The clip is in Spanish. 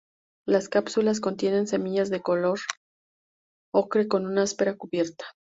Las cápsulas contienen semillas de color ocre con una áspera cubierta.